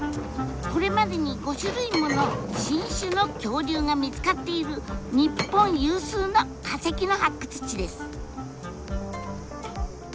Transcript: これまでに５種類もの新種の恐竜が見つかっている日本有数の化石の発掘地です。